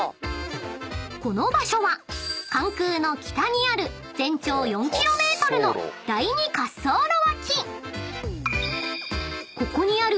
［この場所は関空の北にある全長４ｋｍの第２滑走路脇］